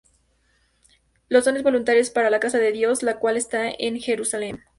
con dones voluntarios para la casa de Dios, la cuál está en Jerusalem.